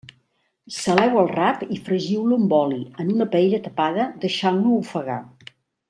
Saleu el rap i fregiu-lo amb oli, en una paella tapada, deixant-lo ofegar.